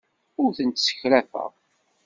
Ur tent-ssekrafeɣ.